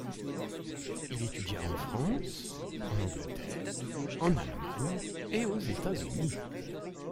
Il étudia en France, en Angleterre, en Allemagne et aux États-Unis.